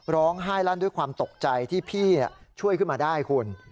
ร้องไห้ลั่นด้วยความตกใจที่พี่ช่วยขึ้นมาได้คุณ